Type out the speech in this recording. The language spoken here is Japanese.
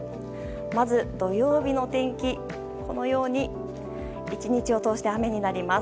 まず、土曜日の天気１日を通して雨になります。